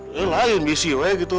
ini lain misi ya gitu